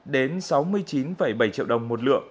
đến sáu mươi chín bảy triệu đồng mỗi lượng